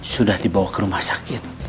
sudah dibawa ke rumah sakit